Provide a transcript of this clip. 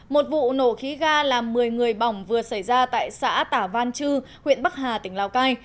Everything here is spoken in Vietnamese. một vụ nổ khí ga làm một mươi người bỏng vừa xảy ra tại xã tả văn chư huyện bắc hà tỉnh lào cai